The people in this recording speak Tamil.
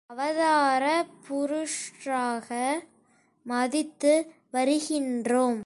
அவதார புருஷராக மதித்து வருகின்றோம்.